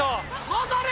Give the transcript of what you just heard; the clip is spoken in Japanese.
戻れ！